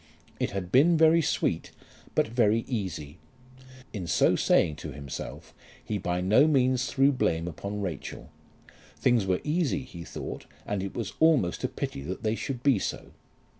It had been very sweet, but very easy. In so saying to himself he by no means threw blame upon Rachel. Things were easy, he thought, and it was almost a pity that they should be so.